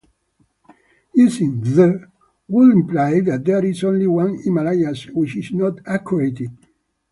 Using "the" would imply that there is only one Himalayas, which is not accurate.